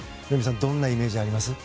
どんなイメージがありますか。